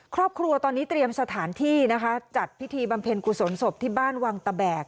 ครอบครัวตอนนี้เตรียมสถานที่นะคะจัดพิธีบำเพ็ญกุศลศพที่บ้านวังตะแบก